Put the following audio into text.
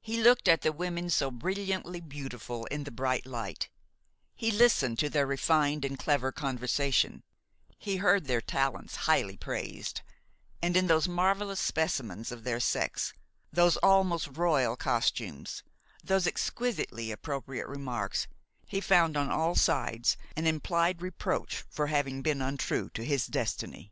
He looked at the women so brilliantly beautiful in the bright light; he listened to their refined and clever conversation; he heard their talents highly praised; and in those marvellous specimens of their sex, those almost royal costumes, those exquisitely appropriate remarks, he found on all sides an implied reproach for having been untrue to his destiny.